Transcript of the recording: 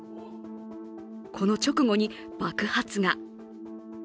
この直後に爆発が。